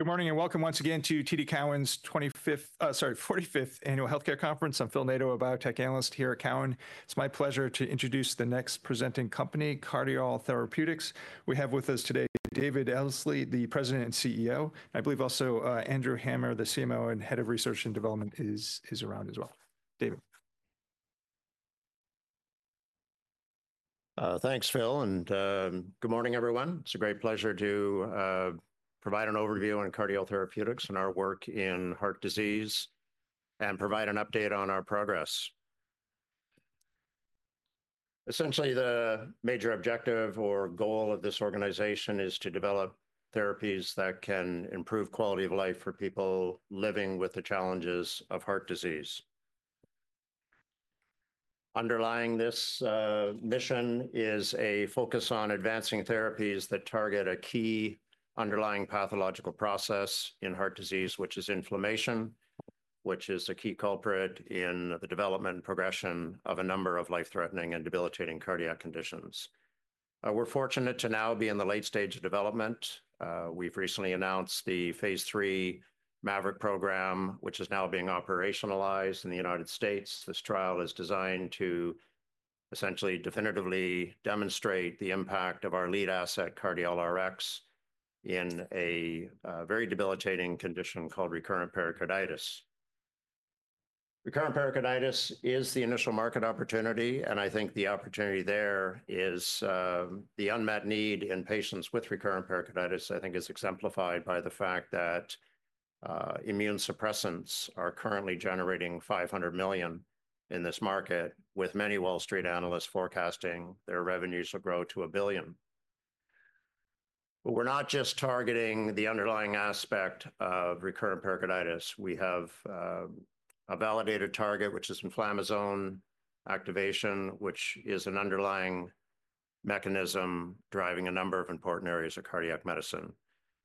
Good morning and welcome once again to TD Cowen's 45th Annual Healthcare Conference. I'm Phil Nadeau, a biotech analyst here at Cowen. It's my pleasure to introduce the next presenting company, Cardiol Therapeutics. We have with us today David Elsley, the President and CEO, and I believe also, Andrew Hamer, the CMO and Head of Research and Development, is around as well. David. Thanks, Phil, and good morning, everyone. It's a great pleasure to provide an overview on Cardiol Therapeutics and our work in heart disease and provide an update on our progress. Essentially, the major objective or goal of this organization is to develop therapies that can improve quality of life for people living with the challenges of heart disease. Underlying this mission is a focus on advancing therapies that target a key underlying pathological process in heart disease, which is inflammation, which is a key culprit in the development and progression of a number of life-threatening and debilitating cardiac conditions. We're fortunate to now be in the late stage of development. We've recently announced the phase III MAVERIC Program, which is now being operationalized in the United States. This trial is designed to essentially definitively demonstrate the impact of our lead asset, CardiolRx, in a very debilitating condition called recurrent pericarditis. Recurrent pericarditis is the initial market opportunity, and I think the opportunity there is, the unmet need in patients with recurrent pericarditis, I think, is exemplified by the fact that immune suppressants are currently generating $500 million in this market, with many Wall Street analysts forecasting their revenues will grow to $1 billion. We're not just targeting the underlying aspect of recurrent pericarditis. We have a validated target, which is inflammasome activation, which is an underlying mechanism driving a number of important areas of cardiac medicine.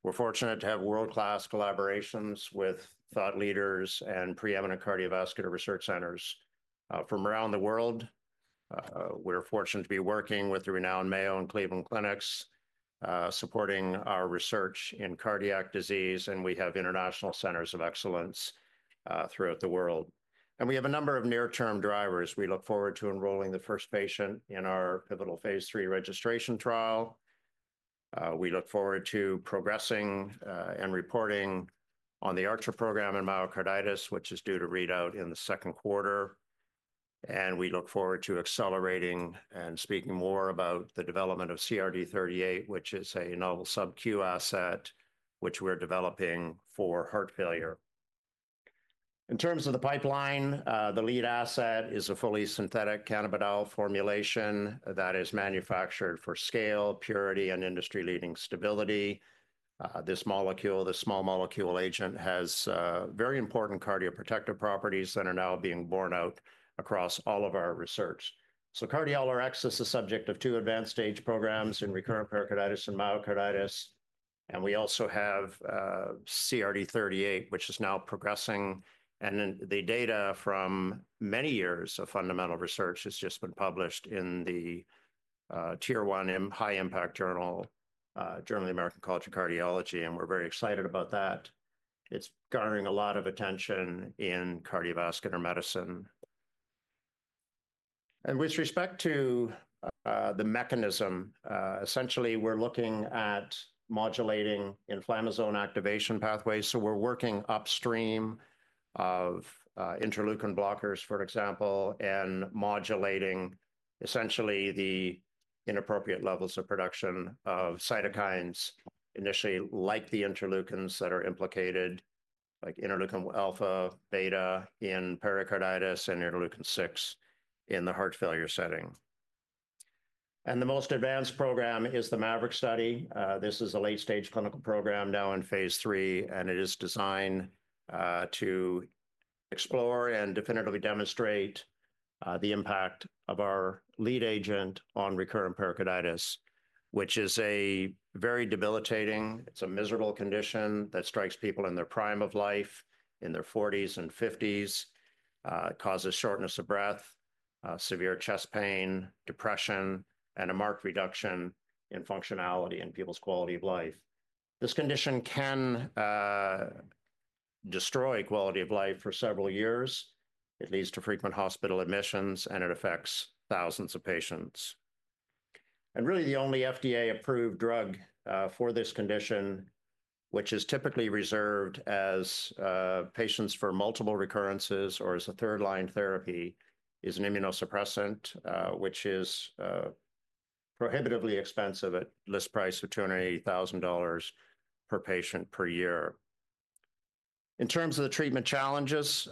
We're fortunate to have world-class collaborations with thought leaders and preeminent cardiovascular research centers from around the world. We're fortunate to be working with the renowned Mayo and Cleveland Clinics, supporting our research in cardiac disease, and we have international centers of excellence throughout the world. We have a number of near-term drivers. We look forward to enrolling the first patient in our pivotal phase III registration trial. We look forward to progressing and reporting on the ARCHER program in myocarditis, which is due to readout in the second quarter. We look forward to accelerating and speaking more about the development of CRD-38, which is a novel sub-Q asset, which we're developing for heart failure. In terms of the pipeline, the lead asset is a fully synthetic cannabidiol formulation that is manufactured for scale, purity, and industry-leading stability. This molecule, this small molecule agent, has very important cardioprotective properties that are now being borne out across all of our research. CardiolRx is the subject of two advanced stage programs in recurrent pericarditis and myocarditis. We also have CRD-38, which is now progressing. The data from many years of fundamental research has just been published in the tier one high impact journal, Journal of the American College of Cardiology, and we're very excited about that. It's garnering a lot of attention in cardiovascular medicine. With respect to the mechanism, essentially we're looking at modulating inflammasome activation pathways. We're working upstream of interleukin blockers, for example, and modulating essentially the inappropriate levels of production of cytokines, initially like the interleukins that are implicated, like interleukin alpha, beta, in pericarditis and interleukin-6 in the heart failure setting. The most advanced program is the MAVERIC study. This is a late-stage clinical program now in phase III, and it is designed to explore and definitively demonstrate the impact of our lead agent on recurrent pericarditis, which is a very debilitating, it's a miserable condition that strikes people in their prime of life, in their forties and fifties, causes shortness of breath, severe chest pain, depression, and a marked reduction in functionality and people's quality of life. This condition can destroy quality of life for several years. It leads to frequent hospital admissions, and it affects thousands of patients. Really the only FDA-approved drug for this condition, which is typically reserved as patients for multiple recurrences or as a third-line therapy, is an immunosuppressant, which is prohibitively expensive at a list price of $280,000 per patient per year. In terms of the treatment challenges,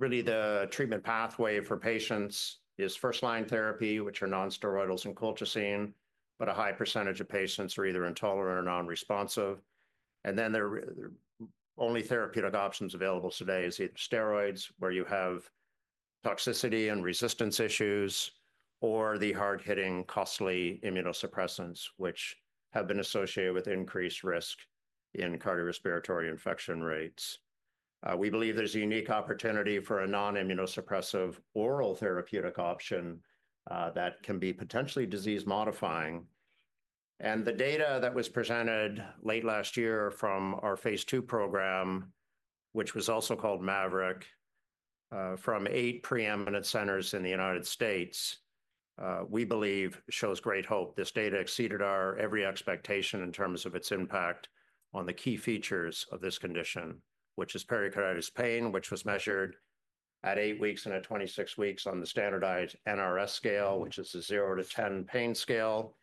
really the treatment pathway for patients is first-line therapy, which are nonsteroidals and colchicine, but a high percentage of patients are either intolerant or nonresponsive. The only therapeutic options available today are either steroids, where you have toxicity and resistance issues, or the hard-hitting, costly immunosuppressants, which have been associated with increased risk in cardiorespiratory infection rates. We believe there's a unique opportunity for a non-immunosuppressive oral therapeutic option, that can be potentially disease-modifying. The data that was presented late last year from our phase II program, which was also called MAVERIC, from eight preeminent centers in the United States, we believe shows great hope. This data exceeded our every expectation in terms of its impact on the key features of this condition, which is pericarditis pain, which was measured at eight weeks and at 26 weeks on the standardized NRS scale, which is a zero to 10 pain scale.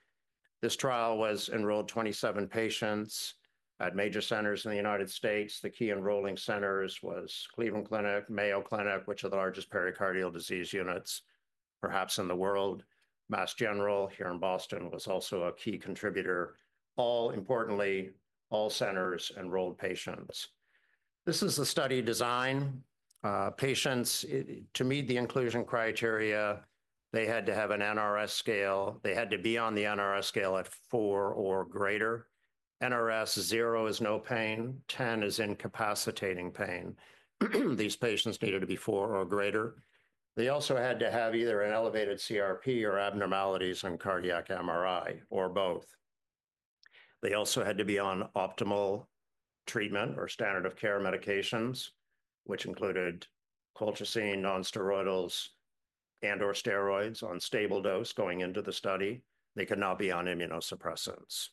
This trial enrolled 27 patients at major centers in the United States. The key enrolling centers were Cleveland Clinic, Mayo Clinic, which are the largest pericardial disease units perhaps in the world. Mass General here in Boston was also a key contributor. Importantly, all centers enrolled patients. This is the study design. Patients, to meet the inclusion criteria, they had to have an NRS scale. They had to be on the NRS scale at four or greater. NRS zero is no pain, 10 is incapacitating pain. These patients needed to be four or greater. They also had to have either an elevated CRP or abnormalities on cardiac MRI or both. They also had to be on optimal treatment or standard of care medications, which included colchicine, nonsteroidals, and/or steroids on stable dose going into the study. They could not be on immunosuppressants.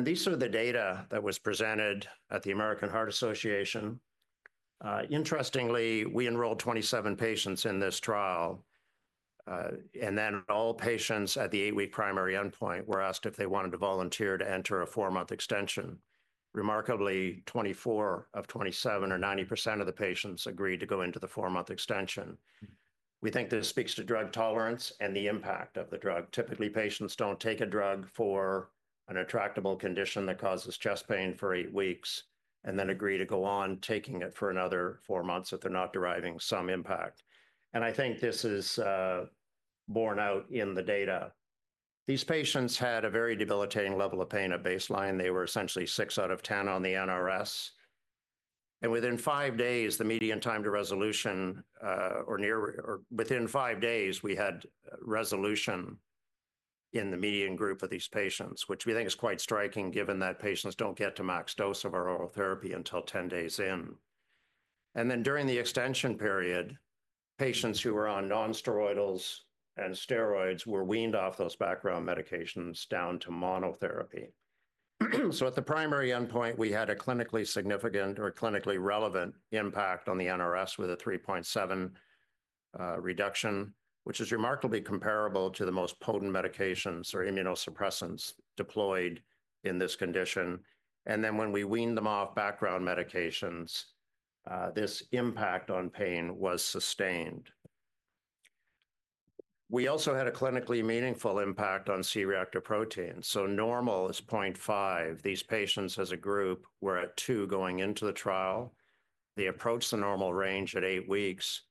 These are the data that was presented at the American Heart Association. Interestingly, we enrolled 27 patients in this trial. All patients at the eight-week primary endpoint were asked if they wanted to volunteer to enter a four-month extension. Remarkably, 24 of 27 or 90% of the patients agreed to go into the four-month extension. We think this speaks to drug tolerance and the impact of the drug. Typically, patients don't take a drug for an intractable condition that causes chest pain for eight weeks and then agree to go on taking it for another four months if they're not deriving some impact. I think this is borne out in the data. These patients had a very debilitating level of pain at baseline. They were essentially six out of 10 on the NRS. Within five days, the median time to resolution, or near or within five days, we had resolution in the median group of these patients, which we think is quite striking given that patients don't get to max dose of our oral therapy until 10 days in. During the extension period, patients who were on nonsteroidals and steroids were weaned off those background medications down to monotherapy. At the primary endpoint, we had a clinically significant or clinically relevant impact on the NRS with a 3.7 reduction, which is remarkably comparable to the most potent medications or immunosuppressants deployed in this condition. When we weaned them off background medications, this impact on pain was sustained. We also had a clinically meaningful impact on C-reactive protein. Normal is 0.5. These patients as a group were at two going into the trial. They approached the normal range at eight weeks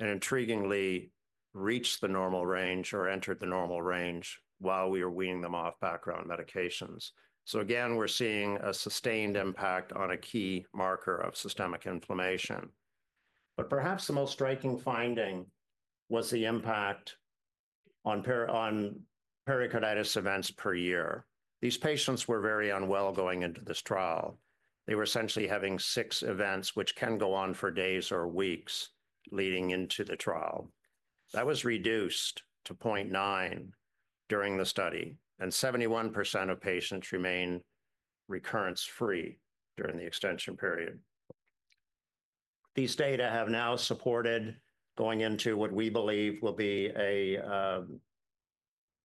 and intriguingly reached the normal range or entered the normal range while we were weaning them off background medications. Again, we're seeing a sustained impact on a key marker of systemic inflammation. Perhaps the most striking finding was the impact on pericarditis events per year. These patients were very unwell going into this trial. They were essentially having six events, which can go on for days or weeks leading into the trial. That was reduced to 0.9 during the study, and 71% of patients remained recurrence-free during the extension period. These data have now supported going into what we believe will be a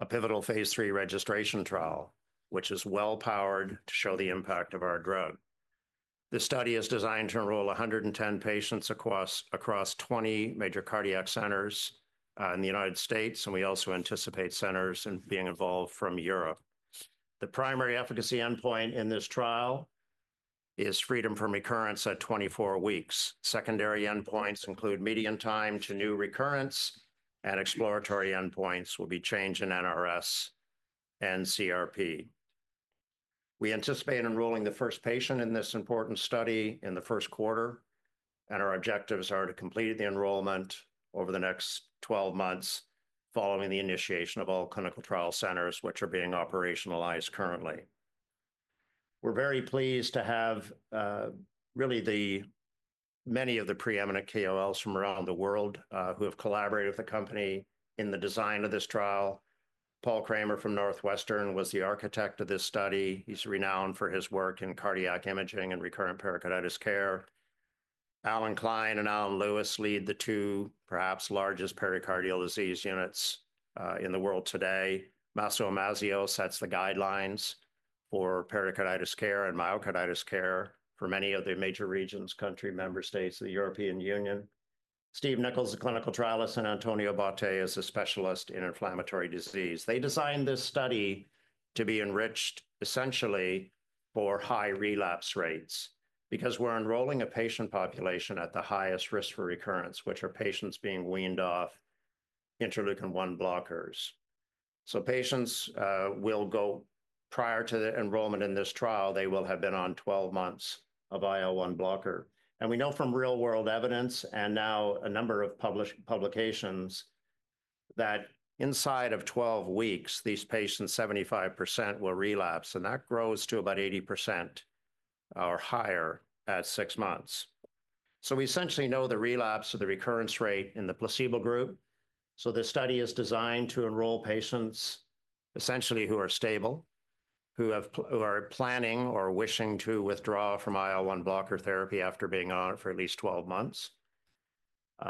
pivotal phase III registration trial, which is well-powered to show the impact of our drug. This study is designed to enroll 110 patients across 20 major cardiac centers in the United States, and we also anticipate centers being involved from Europe. The primary efficacy endpoint in this trial is freedom from recurrence at 24 weeks. Secondary endpoints include median time to new recurrence, and exploratory endpoints will be change in NRS and CRP. We anticipate enrolling the first patient in this important study in the first quarter, and our objectives are to complete the enrollment over the next 12 months following the initiation of all clinical trial centers, which are being operationalized currently. We're very pleased to have, really the many of the preeminent KOLs from around the world, who have collaborated with the company in the design of this trial. Paul Kantor from Northwestern was the architect of this study. He's renowned for his work in cardiac imaging and recurrent pericarditis care. Allan Klein and Allen Luis lead the two perhaps largest pericardial disease units, in the world today. Massimo Imazio sets the guidelines for pericarditis care and myocarditis care for many of the major regions, country members, states of the European Union. Stephen Nicholls is a clinical trialist, and Antonio Brucato is a specialist in inflammatory disease. They designed this study to be enriched essentially for high relapse rates because we're enrolling a patient population at the highest risk for recurrence, which are patients being weaned off interleukin-1 blockers. Patients will go prior to the enrollment in this trial, they will have been on 12 months of IL-1 blocker. We know from real-world evidence and now a number of publications that inside of 12 weeks, these patients, 75% will relapse, and that grows to about 80% or higher at six months. We essentially know the relapse or the recurrence rate in the placebo group. This study is designed to enroll patients essentially who are stable, who are planning or wishing to withdraw from IL-1 blocker therapy after being on it for at least 12 months.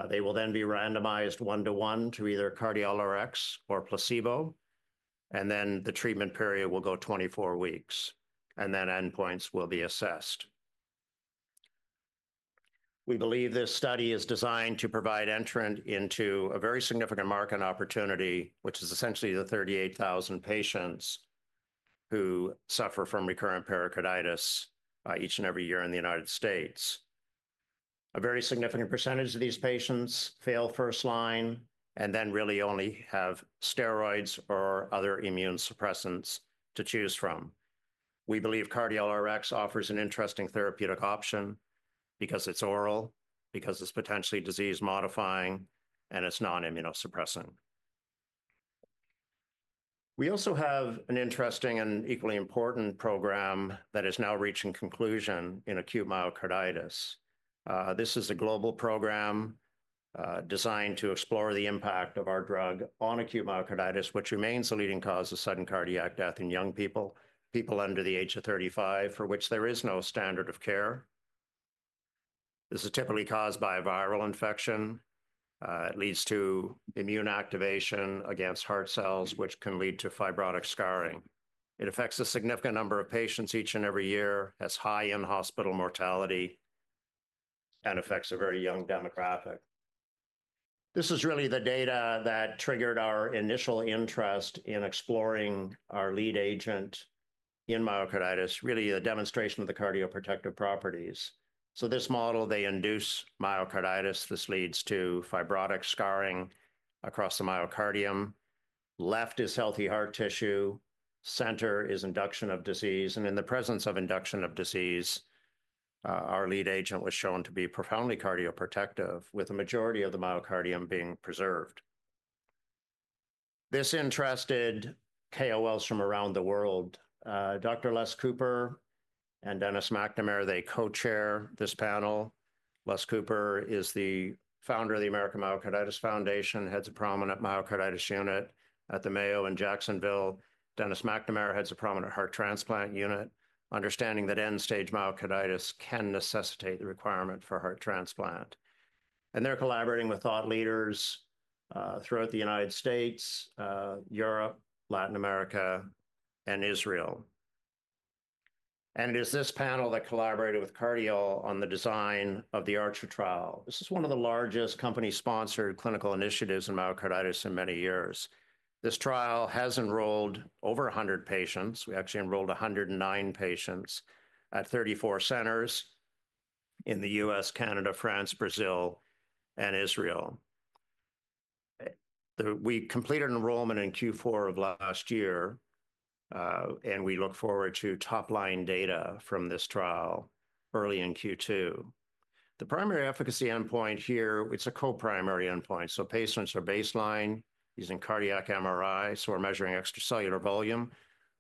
They will then be randomized one-to-one to either CardiolRx or placebo, and then the treatment period will go 24 weeks, and then endpoints will be assessed. We believe this study is designed to provide entrant into a very significant market opportunity, which is essentially the 38,000 patients who suffer from recurrent pericarditis each and every year in the United States. A very significant percentage of these patients fail first line and then really only have steroids or other immune suppressants to choose from. We believe CardiolRx offers an interesting therapeutic option because it's oral, because it's potentially disease-modifying, and it's non-immunosuppressant. We also have an interesting and equally important program that is now reaching conclusion in acute myocarditis. This is a global program, designed to explore the impact of our drug on acute myocarditis, which remains the leading cause of sudden cardiac death in young people, people under the age of 35, for which there is no standard of care. This is typically caused by a viral infection. It leads to immune activation against heart cells, which can lead to fibrotic scarring. It affects a significant number of patients each and every year, has high in-hospital mortality, and affects a very young demographic. This is really the data that triggered our initial interest in exploring our lead agent in myocarditis, really a demonstration of the cardioprotective properties. In this model, they induce myocarditis. This leads to fibrotic scarring across the myocardium. Left is healthy heart tissue. Center is induction of disease. In the presence of induction of disease, our lead agent was shown to be profoundly cardioprotective, with the majority of the myocardium being preserved. This interested KOLs from around the world. Dr. Les Cooper and Dennis McNamara, they co-chair this panel. Les Cooper is the founder of the American Myocarditis Foundation, heads a prominent myocarditis unit at the Mayo Clinic in Jacksonville. Dennis McNamara heads a prominent heart transplant unit, understanding that end-stage myocarditis can necessitate the requirement for heart transplant. They are collaborating with thought leaders throughout the United States, Europe, Latin America, and Israel. This panel collaborated with Cardiol Therapeutics on the design of the ARCHER trial. This is one of the largest company-sponsored clinical initiatives in myocarditis in many years. This trial has enrolled over 100 patients. We actually enrolled 109 patients at 34 centers in the United States, Canada, France, Brazil, and Israel. We completed enrollment in Q4 of last year, and we look forward to top-line data from this trial early in Q2. The primary efficacy endpoint here, it's a co-primary endpoint. Patients are baseline using cardiac MRI. We're measuring extracellular volume,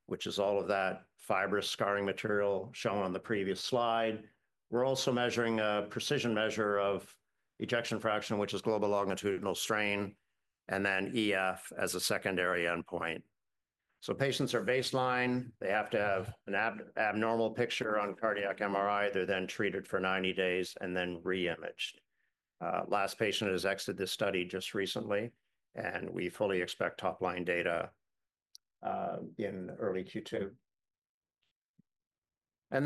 which is all of that fibrous scarring material shown on the previous slide. We're also measuring a precision measure of ejection fraction, which is global longitudinal strain, and then EF as a secondary endpoint. Patients are baseline. They have to have an abnormal picture on cardiac MRI. They're then treated for 90 days and then reimaged. Last patient has exited this study just recently, and we fully expect top-line data in early Q2.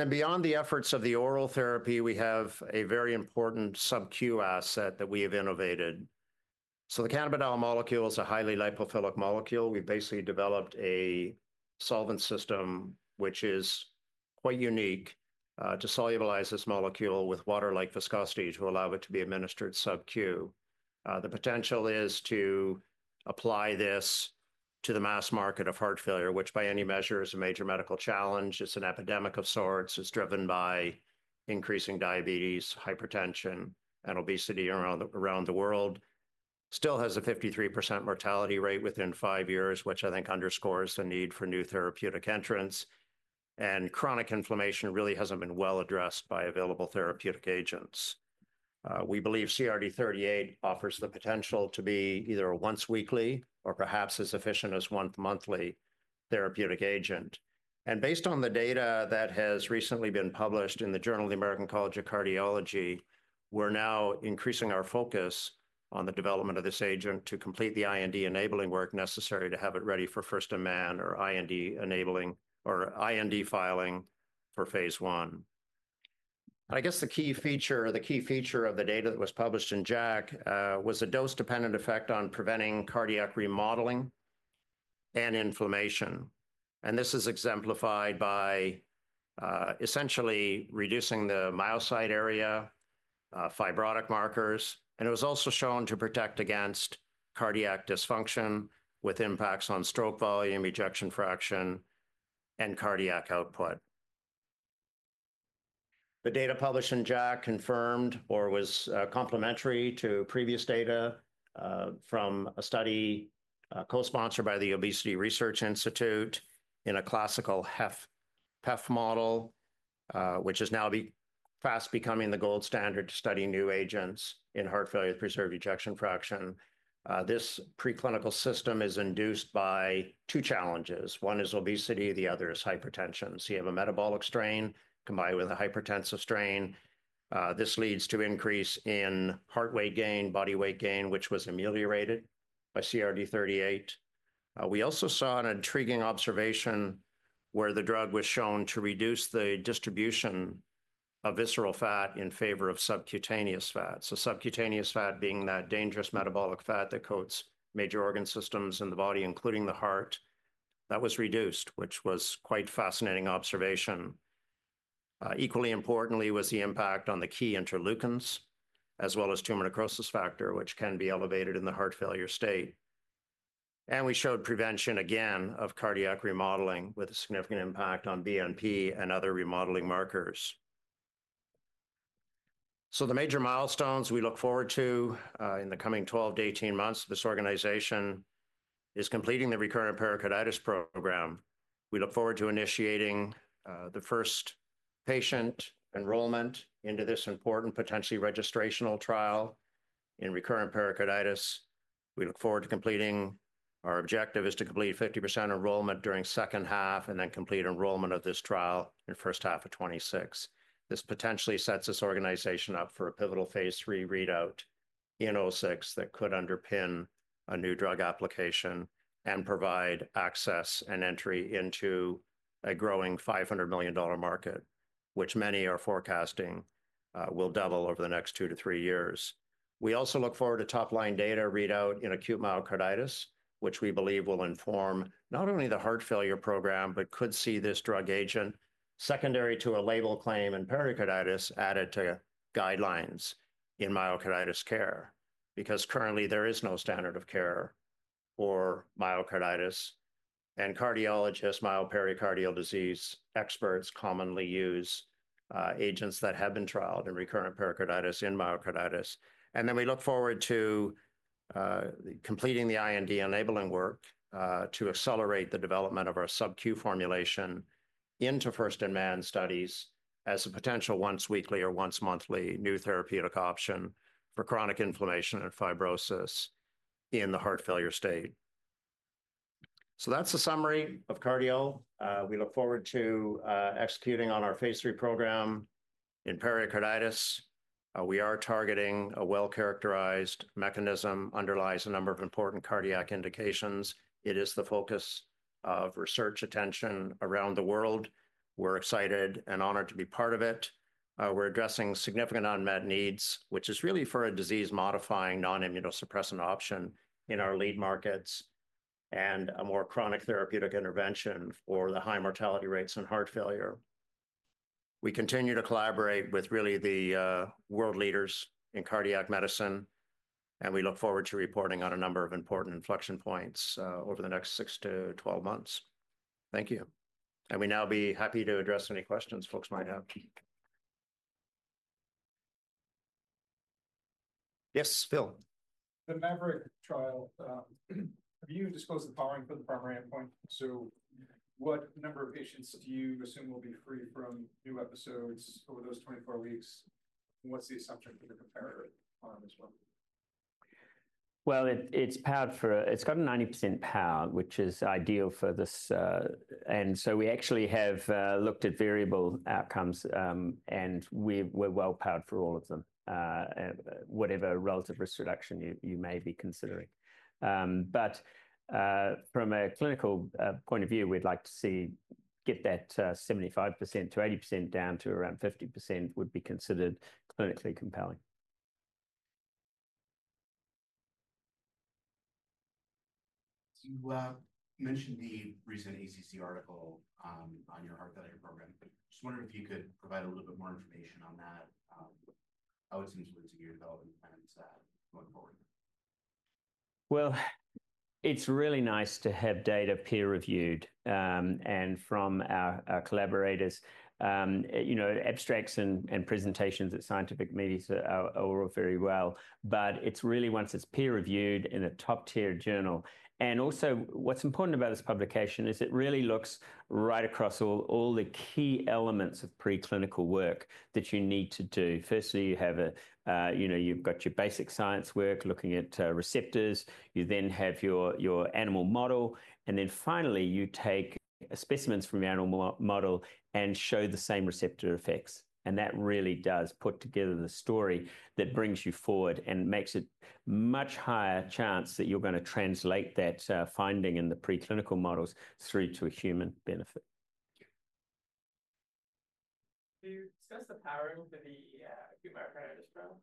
Beyond the efforts of the oral therapy, we have a very important sub-Q asset that we have innovated. The cannabidiol molecule is a highly lipophilic molecule. We've basically developed a solvent system, which is quite unique, to solubilize this molecule with water-like viscosity to allow it to be administered sub-Q. The potential is to apply this to the mass market of heart failure, which by any measure is a major medical challenge. It's an epidemic of sorts. It's driven by increasing diabetes, hypertension, and obesity around the world. Still has a 53% mortality rate within five years, which I think underscores the need for new therapeutic entrants. Chronic inflammation really hasn't been well addressed by available therapeutic agents. We believe CRD-38 offers the potential to be either a once-weekly or perhaps as efficient as one-monthly therapeutic agent. Based on the data that has recently been published in the Journal of the American College of Cardiology, we're now increasing our focus on the development of this agent to complete the IND enabling work necessary to have it ready for first-in-man or IND enabling or IND filing for phase I. I guess the key feature, the key feature of the data that was published in JACC was a dose-dependent effect on preventing cardiac remodeling and inflammation. This is exemplified by, essentially reducing the myocyte area, fibrotic markers. It was also shown to protect against cardiac dysfunction with impacts on stroke volume, ejection fraction, and cardiac output. The data published in JACC confirmed or was complementary to previous data from a study co-sponsored by the Obesity Research Institute in a classical HFpEF model, which is now fast becoming the gold standard to study new agents in heart failure with preserved ejection fraction. This preclinical system is induced by two challenges. One is obesity, the other is hypertension. You have a metabolic strain combined with a hypertensive strain. This leads to increase in heart weight gain, body weight gain, which was ameliorated by CRD-38. We also saw an intriguing observation where the drug was shown to reduce the distribution of visceral fat in favor of subcutaneous fat. Subcutaneous fat being that dangerous metabolic fat that coats major organ systems in the body, including the heart, that was reduced, which was quite a fascinating observation. Equally importantly was the impact on the key interleukins as well as tumor necrosis factor, which can be elevated in the heart failure state. We showed prevention again of cardiac remodeling with a significant impact on BNP and other remodeling markers. The major milestones we look forward to in the coming 12 to 18 months, this organization is completing the recurrent pericarditis program. We look forward to initiating the first patient enrollment into this important potentially registrational trial in recurrent pericarditis. We look forward to completing our objective is to complete 50% enrollment during second half and then complete enrollment of this trial in first half of 2026. This potentially sets this organization up for a pivotal phase III readout in 2026 that could underpin a new drug application and provide access and entry into a growing $500 million market, which many are forecasting will double over the next two to three years. We also look forward to top-line data readout in acute myocarditis, which we believe will inform not only the heart failure program, but could see this drug agent secondary to a label claim in pericarditis added to guidelines in myocarditis care, because currently there is no standard of care for myocarditis. Cardiologists, myopericardial disease experts commonly use agents that have been trialed in recurrent pericarditis in myocarditis. We look forward to completing the IND enabling work to accelerate the development of our sub-Q formulation into first-in-man studies as a potential once-weekly or once-monthly new therapeutic option for chronic inflammation and fibrosis in the heart failure state. That is the summary of Cardiol. We look forward to executing on our phase III program in pericarditis. We are targeting a well-characterized mechanism that underlies a number of important cardiac indications. It is the focus of research attention around the world. We are excited and honored to be part of it. We are addressing significant unmet needs, which is really for a disease-modifying non-immunosuppressant option in our lead markets and a more chronic therapeutic intervention for the high mortality rates in heart failure. We continue to collaborate with really the world leaders in cardiac medicine, and we look forward to reporting on a number of important inflection points over the next 6 to 12 months. Thank you. We now would be happy to address any questions folks might have. Yes, Phil. The MAVERIC trial, have you disclosed the powering for the primary endpoint? What number of patients do you assume will be free from new episodes over those 24 weeks? What's the assumption for the comparator on this one? It's powered for, it's got a 90% power, which is ideal for this. We actually have looked at variable outcomes, and we're well powered for all of them, whatever relative risk reduction you may be considering. But, from a clinical point of view, we'd like to see get that 75%-80% down to around 50% would be considered clinically compelling. You mentioned the recent JACC article on your heart failure program. Just wondering if you could provide a little bit more information on that, how it's influencing your development plans going forward. It's really nice to have data peer-reviewed, and from our collaborators, you know, abstracts and presentations at scientific media are all very well. It's really, once it's peer-reviewed in a top-tier journal. Also, what's important about this publication is it really looks right across all the key elements of preclinical work that you need to do. Firstly, you have a, you know, you've got your basic science work looking at receptors. You then have your animal model. Finally, you take specimens from your animal model and show the same receptor effects. That really does put together the story that brings you forward and makes it a much higher chance that you're going to translate that finding in the preclinical models through to a human benefit. Do you discuss the powering for the acute myocarditis trial?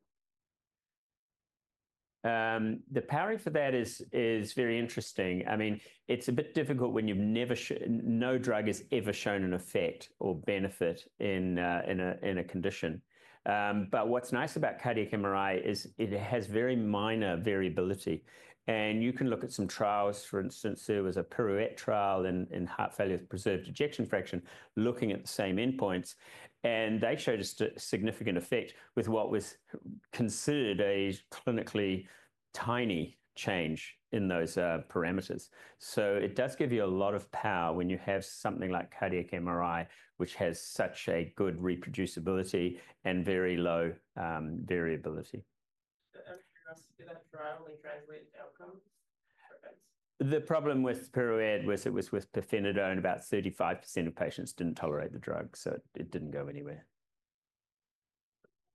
The powering for that is very interesting. I mean, it's a bit difficult when you've never shown, no drug has ever shown an effect or benefit in a condition. What's nice about cardiac MRI is it has very minor variability. You can look at some trials. For instance, there was a PIROUETTE trial in heart failure with preserved ejection fraction looking at the same endpoints. They showed a significant effect with what was considered a clinically tiny change in those parameters. It does give you a lot of power when you have something like cardiac MRI, which has such good reproducibility and very low variability. Did that trial translate outcomes? Effects? The problem with PIROUETTE was it was with pirfenidone, about 35% of patients did not tolerate the drug, so it did not go anywhere.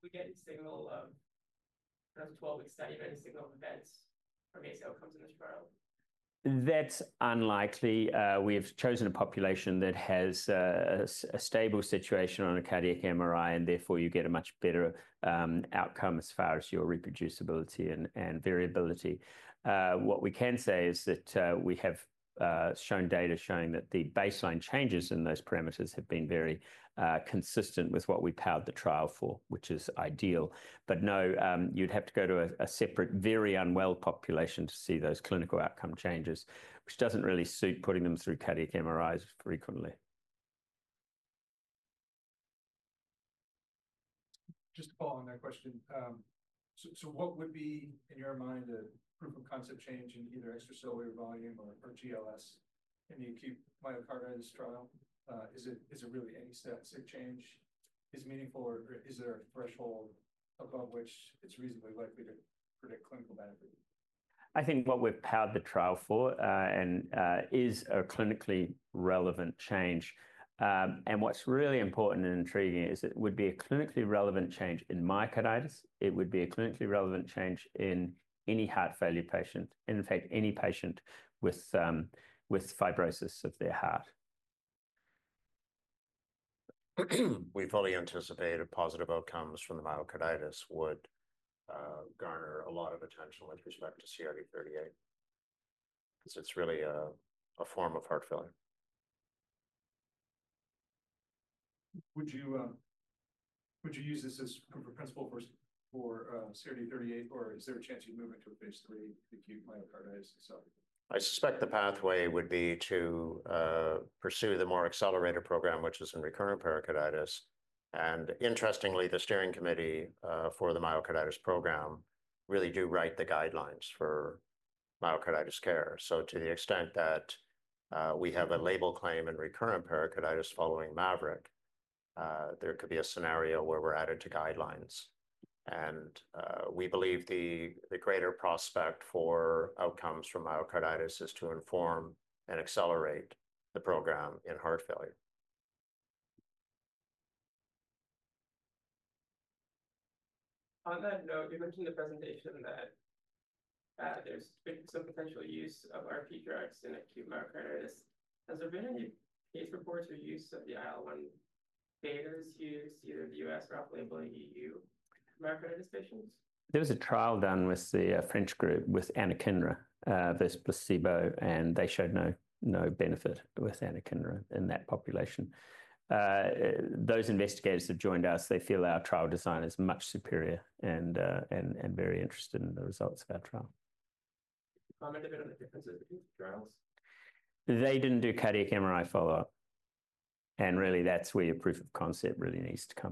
Do we get any signal of, as a 12-week study, do we get any signal of events from clinical outcomes in this trial? That is unlikely. We have chosen a population that has a stable situation on a cardiac MRI, and therefore you get a much better outcome as far as your reproducibility and variability. What we can say is that we have shown data showing that the baseline changes in those parameters have been very consistent with what we powered the trial for, which is ideal. No, you'd have to go to a separate, very unwell population to see those clinical outcome changes, which doesn't really suit putting them through cardiac MRIs frequently. Just a follow-on to that question. So, what would be in your mind a proof of concept change in either extracellular volume or GLS in the acute myocarditis trial? Is it really any sense of change is meaningful, or is there a threshold above which it's reasonably likely to predict clinical benefit? I think what we've powered the trial for is a clinically relevant change. What's really important and intriguing is it would be a clinically relevant change in myocarditis. It would be a clinically relevant change in any heart failure patient, in effect, any patient with fibrosis of their heart. We fully anticipate positive outcomes from the myocarditis would garner a lot of attention with respect to CRD-38 because it's really a, a form of heart failure. Would you use this as a principle for, for CRD-38, or is there a chance you'd move into a phase III acute myocarditis? I suspect the pathway would be to pursue the more accelerator program, which is in recurrent pericarditis. Interestingly, the steering committee for the myocarditis program really do write the guidelines for myocarditis care. To the extent that we have a label claim in recurrent pericarditis following MAVERIC, there could be a scenario where we're added to guidelines. We believe the greater prospect for outcomes from myocarditis is to inform and accelerate the program in heart failure. On that note, you mentioned the presentation that, there's been some potential use of RP drugs in acute myocarditis. Has there been any case reports or use of the IL-1 betas used either in the U.S. or off-label in EU myocarditis patients? There was a trial done with the French group with anakinra versus placebo, and they showed no, no benefit with anakinra in that population. Those investigators have joined us. They feel our trial design is much superior and, and very interested in the results of our trial. Comment a bit on the differences between the trials? They didn't do cardiac MRI follow-up. And really, that's where your proof of concept really needs to...